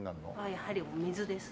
やはりお水ですね。